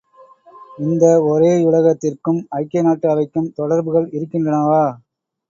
இந்த ஒரே யுலகத்திற்கும் ஐக்கியநாட்டு அவைக்கும் தொடர்புகள் இருக்கின்றனவா?